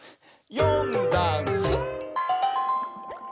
「よんだんす」